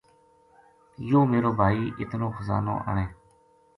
یوہ میرو بھائی اِتنو خزانو آنے